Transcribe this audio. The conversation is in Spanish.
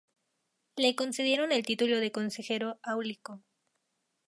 Le concedieron el título de consejero áulico.